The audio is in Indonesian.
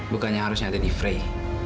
bukannya harusnya ada di frey